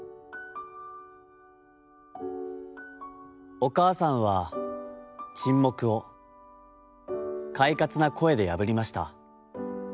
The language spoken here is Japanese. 「おかあさんは沈黙を、快活な声でやぶりました。